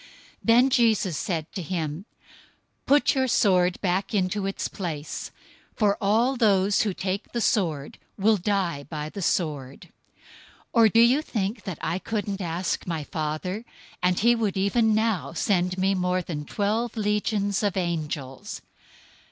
026:052 Then Jesus said to him, "Put your sword back into its place, for all those who take the sword will die by the sword. 026:053 Or do you think that I couldn't ask my Father, and he would even now send me more than twelve legions of angels?